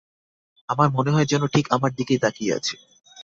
আর মনে হয় যেনো ঠিক আমার দিকেই তাকিয়ে আছে।